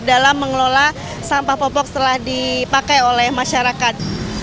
dalam mengelola sampah popok setelah dipakai oleh masyarakat